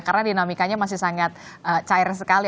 karena dinamikanya masih sangat cair sekali